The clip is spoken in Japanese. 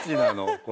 これ。